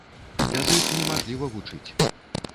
Без іх немажліва вучыць.